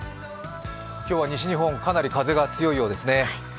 今日は西日本、かなり風が強いようですね。